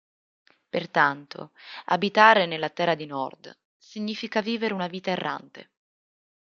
Pertanto, abitare nella terra di Nod significa vivere una vita errante.